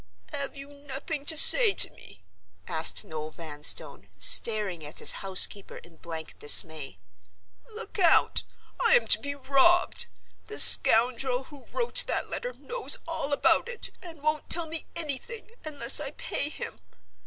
"Have you nothing to say to me?" asked Noel Vanstone, staring at his housekeeper in blank dismay. "Lecount, I'm to be robbed! The scoundrel who wrote that letter knows all about it, and won't tell me anything unless I pay him.